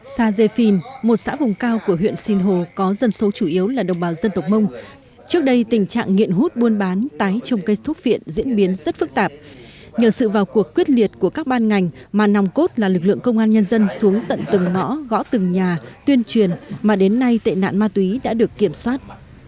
xã dê phìn một xã vùng cao của huyện sinh hồ có dân số chủ yếu là đồng bào dân tộc mông trước đây tình trạng nghiện hút buôn bán tái trồng cây thuốc viện diễn biến rất phức tạp nhờ sự vào cuộc quyết liệt của các ban ngành mà nòng cốt là lực lượng công an nhân dân xuống tận từng ngõ gõ từng nhà tuyên truyền mà đến nay tệ nạn ma túy đã được kiểm soát